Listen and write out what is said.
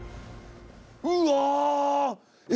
うわ！